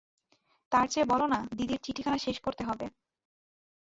তার চেয়ে বলো-না দিদির চিঠিখানা শেষ করতে হবে।